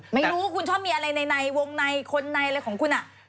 ไม่รู้คุณชอบมีอะไรในวงในคนในอะไรของคุณ